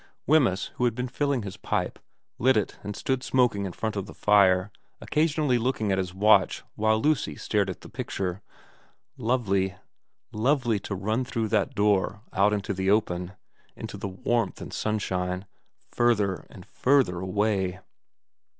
Wemyss, who had been filling his pipe, lit it and stood smoking in front of the fire, occasionally looking at his watch, while Lucy stared at the picture. Lovely, lovely to run through that door out into the open, into the warmth and sunshine, further and further away.